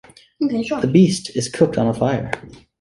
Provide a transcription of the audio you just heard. The beast is cooked on a fire.